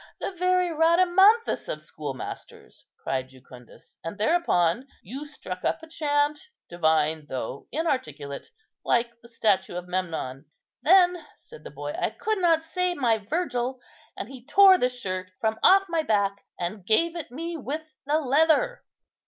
"The very Rhadamanthus of schoolmasters!" cried Jucundus: "and thereupon you struck up a chant, divine though inarticulate, like the statue of Memnon." "Then," said the boy, "I could not say my Virgil, and he tore the shirt from off my back, and gave it me with the leather."